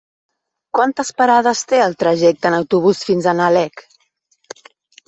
Quantes parades té el trajecte en autobús fins a Nalec?